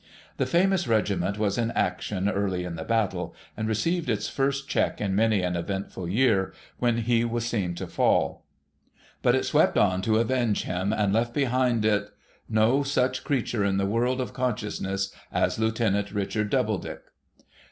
The famous regiment was in action early in the battle, and received its first check in many an eventful year, when he was seen to fall. But it swept on to avenge him, and left behind it no such creature in the world of consciousness as Lieutenant Richard Doubledick.